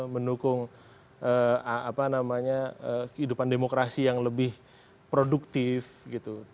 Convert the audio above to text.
mendukung kehidupan demokrasi yang lebih produktif gitu